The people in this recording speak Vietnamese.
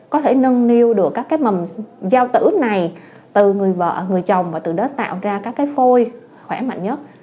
có thể nâng niu được các cái mầm giao tử này từ người vợ người chồng và từ đó tạo ra các cái phôi khỏe mạnh nhất